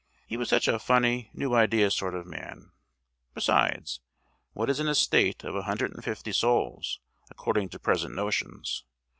He was such a funny, new idea sort of man. Besides, what is an estate of a hundred and fifty souls, according to present notions?